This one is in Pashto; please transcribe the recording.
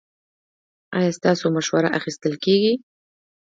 ایا ستاسو مشوره اخیستل کیږي؟